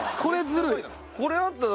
これあったら。